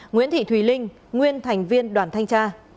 nguyễn thị thùy linh nguyên thành viên đoàn thanh tra